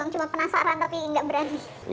cuma penasaran tapi nggak berani